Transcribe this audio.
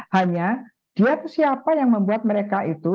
hanya dia siapa yang membuat mereka itu